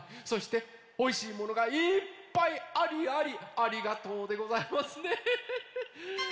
そしておいしいものがいっぱいありありありがとうでございますね。